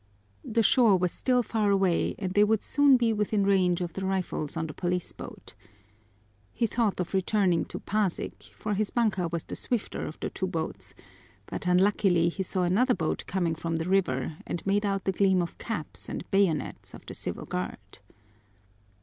The shore was still far away and they would soon be within range of the rifles on the police boat. He thought of returning to Pasig, for his banka was the swifter of the two boats, but unluckily he saw another boat coming from the river and made out the gleam of caps and bayonets of the Civil Guard.